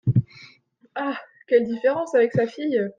Ah ! quelle différence avec sa fille !